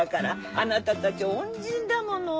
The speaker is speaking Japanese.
あなたたち恩人だもの。